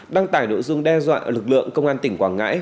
đăng tải nội dung đe dọa lực lượng công an tỉnh quảng ngãi